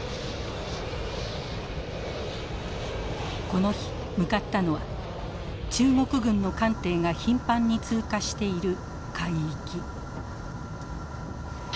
この日向かったのは中国軍の艦艇が頻繁に通過している海域。